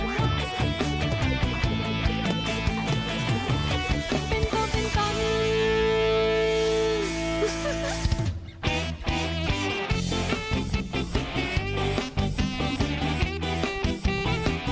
มันเป็นตัวเป็นตัว